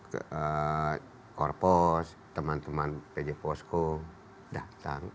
ke korpos teman teman pj posko datang